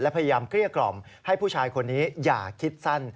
พยายามเกลี้ยกล่อมให้ผู้ชายคนนี้อย่าคิดสั้น